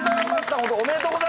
ホントおめでとうございます。